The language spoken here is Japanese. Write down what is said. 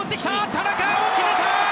田中碧、決めた！